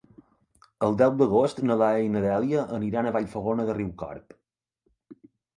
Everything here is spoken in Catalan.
El deu d'agost na Laia i na Dèlia aniran a Vallfogona de Riucorb.